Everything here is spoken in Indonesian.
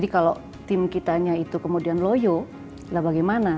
kalau tim kitanya itu kemudian loyo lah bagaimana